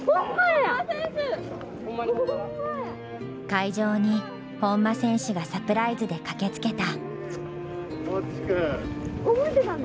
会場に本間選手がサプライズで駆けつけた。